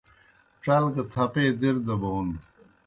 ڇل گہ تھپے دِر دہ بون۔